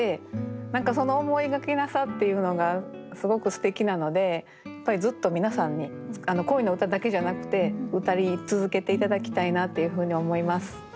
何かその思いがけなさっていうのがすごくすてきなのでやっぱりずっと皆さんに恋の歌だけじゃなくてうたい続けて頂きたいなっていうふうに思います。